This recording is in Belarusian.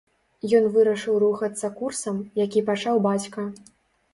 Ён вырашыў рухацца курсам, які пачаў бацька.